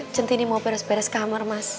centini mau beres beres kamar mas